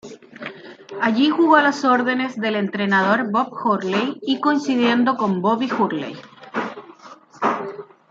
Allí jugó a las órdenes del entrenador Bob Hurley y coincidiendo con Bobby Hurley.